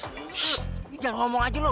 shh jangan ngomong aja lo